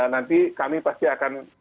nanti kami pasti akan